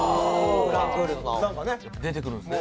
あ！出てくるんですね。